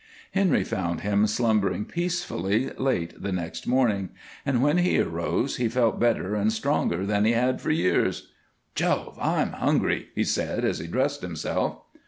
Henry found him slumbering peacefully late the next morning, and when he arose he felt better and stronger than he had for years. "Jove! I'm hungry," he said as he dressed himself.